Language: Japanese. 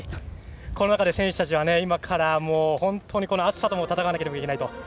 この中で、選手たちは今から暑さとも戦わなければならないと。